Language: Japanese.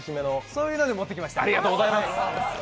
そういうので持ってきました。